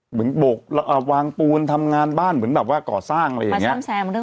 โบกวางปูนทำงานบ้านเหมือนแบบว่าก่อสร้างอะไรอย่างนี้